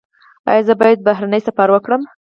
ایا زه باید بهرنی سفر وکړم؟